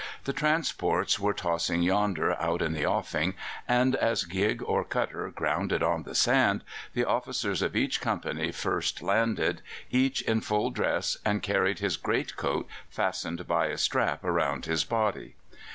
The transports were tossing yonder out in the offing, and as gig or cutter grounded on the sand the officers of each company first landed, each in full dress, and carried his greatcoat, fastened by a strap round his body.